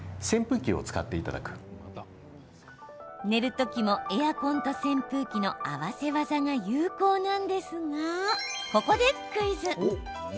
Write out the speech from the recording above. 寝る時もエアコンと扇風機の合わせ技が有効なんですがここでクイズ。